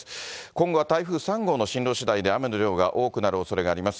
今後は台風３号の進路しだいで雨の量が多くなるおそれがあります。